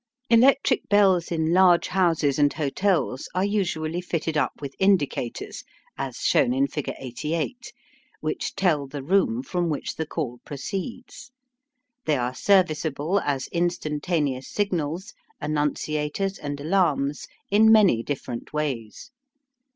Electric bells in large houses and hotels are usually fitted up with indicators, as shown in figure 88, which tell the room from which the call proceeds. They are serviceable as instantaneous signals, annunciators, and alarms in many different ways.